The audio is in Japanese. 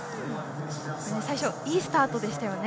最初いいスタートでしたよね。